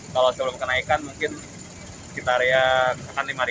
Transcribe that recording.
kalau sebelum kenaikan mungkin sekitar ya akan lima